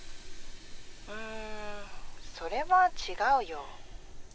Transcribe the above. うんそれは違うよ。